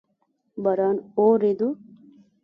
باران اوورېدو؟